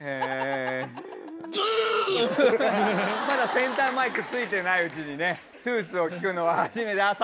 まだセンターマイク着いてないうちにねトゥースを聞くのは初めて。